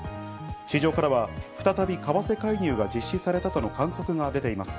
市場からは再び為替介入が実施されたとの観測が出ています。